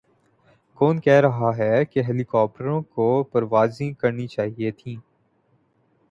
کون کہہ رہاہے کہ ہیلی کاپٹروں کو پروازیں کرنی چائیں تھیں۔